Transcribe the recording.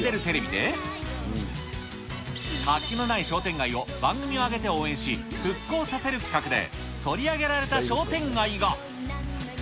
で、活気のない商店街を番組を挙げて応援し復興させる企画で、取り上げられた商店街が。